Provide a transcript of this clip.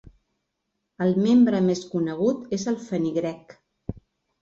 El membre més conegut és el fenigrec.